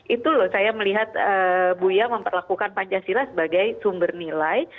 itu loh saya melihat buya memperlakukan pancasila sebagai sumber nilai